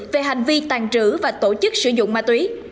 về hành vi tàn trữ và tổ chức sử dụng ma túy